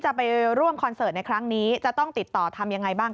จะไปร่วมคอนเสิร์ตในครั้งนี้จะต้องติดต่อทำยังไงบ้าง